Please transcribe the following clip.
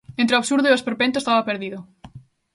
Entre o absurdo e o esperpento estaba perdido.